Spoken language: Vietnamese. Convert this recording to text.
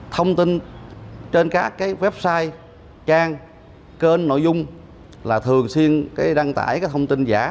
thông tin trên các website trang kênh nội dung là thường xuyên đăng tải thông tin giả